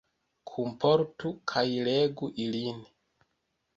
Kunportu kaj legu ilin.